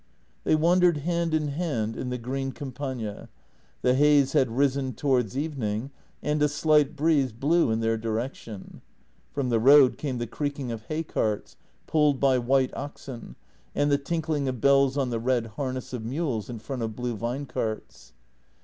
They wandered hand in hand in the green Campagna — the haze had risen towards evening, and a slight breeze blew in their direction. From the road came the creaking of hay carts, pulled by white oxen, and the tinkling of bells on the red harness of mules in front of blue vinecarts.